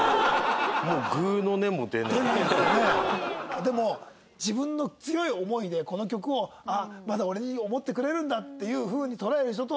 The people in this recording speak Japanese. でも自分の強い思いでこの曲をまだ俺に思ってくれるんだっていう風に捉える人と。